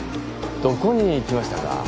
どこに行きましたか？